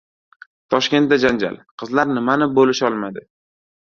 Toshkentda janjal: Qizlar nimani bo‘lisholmadi?